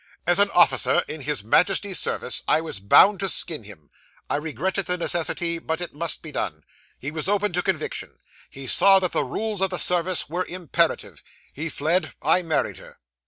As an officer in His Majesty's service, I was bound to skin him. I regretted the necessity, but it must be done. He was open to conviction. He saw that the rules of the service were imperative. He fled. I married her.